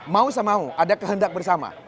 mau sama mau ada kehendak bersama